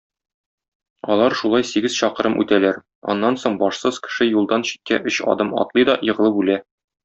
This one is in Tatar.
Алар шулай сигез чакрым үтәләр, аннан соң башсыз кеше юлдан читкә өч адым атлый да егылып үлә.